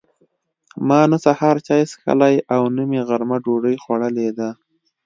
ما نه سهار چای څښلي او نه مې غرمه ډوډۍ خوړلې ده.